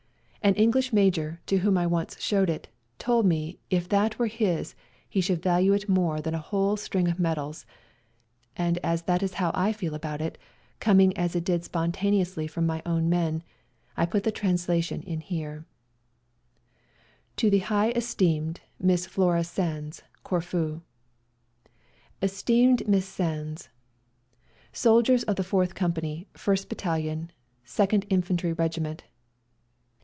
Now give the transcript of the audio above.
An English major, to whom I once showed it, told me if that were his he should value it more than a whole string of medals, and as that is how I feel about it, coming as it did spon taneously from my own men, I put the translation in here :" To the high esteemed "MISS FLORA SANDES, " CORFU. " Esteemed Miss Sandes !" Soldiers of the Fourth Company, 1st Battalion, 2nd Inf. Rgmt.